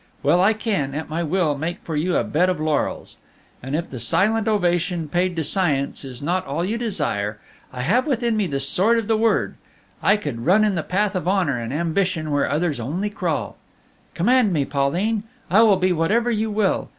Well, I can, at my will, make for you a bed of laurels. And if the silent ovation paid to science is not all you desire, I have within me the sword of the Word; I could run in the path of honor and ambition where others only crawl. "Command me, Pauline; I will be whatever you will.